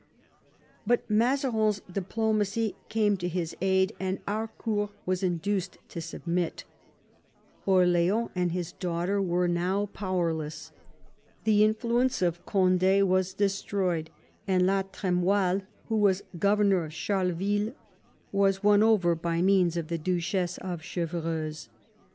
But Mazarin's diplomacy came to his aid, and Harcoiuii was induced to submit Orleans and his daughter were now powerless, the influence of Cond^ was destroyed, and la Trtooille, who was governor of Charleville, was won over by means of the Duchess of Chevreuse.